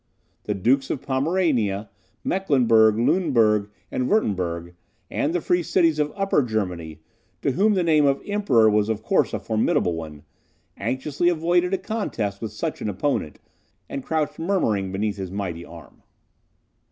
The Dukes of Pomerania, Mecklenburg, Luneburg, and Wirtemberg, and the free cities of Upper Germany, to whom the name of EMPEROR was of course a formidable one, anxiously avoided a contest with such an opponent, and crouched murmuring beneath his mighty arm.